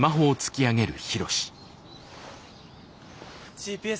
ＧＰＳ